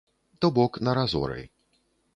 То бок на разоры.